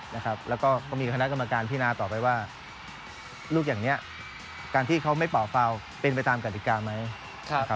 แล้วก็เขามีคณะกรรมการพินาต่อไปว่าลูกอย่างนี้การที่เขาไม่เป่าฟาวเป็นไปตามกฎิกาไหม